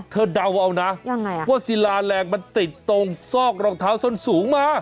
เดาเอานะว่าศิลาแรงมันติดตรงซอกรองเท้าส้นสูงมา